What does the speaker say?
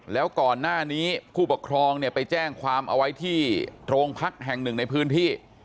แล้วก่อนหน้านี้ผู้ปกครองเนี่ยไปแจ้งความเอาไว้ที่โรงพักแห่งหนึ่งในพื้นที่